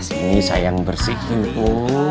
ini sayang bersih kumpul